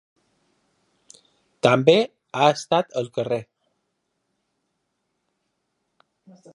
També ha estat al carrer.